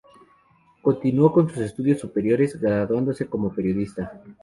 Continuó con sus estudios superiores, graduándose como periodista.